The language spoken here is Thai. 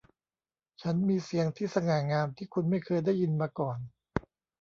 ฉันมีเสียงที่สง่างามที่คุณไม่เคยได้ยินมาก่อน